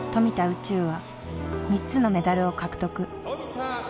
宇宙は３つのメダルを獲得。